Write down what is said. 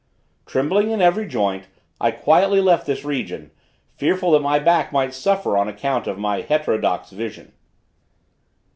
Trembling in every joint, I quietly left this region, fearful that my back might suffer on account of my heterodox vision.